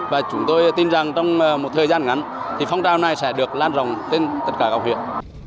và chúng tôi tin rằng trong một thời gian ngắn thì phong trào này sẽ được lan rộng trên tất cả các huyện